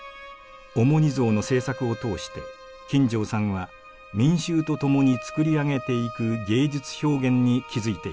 オモニ像の制作を通して金城さんは民衆と共につくり上げていく芸術表現に気付いていきます。